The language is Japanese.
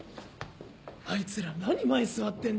あいつら何前座ってんだよ。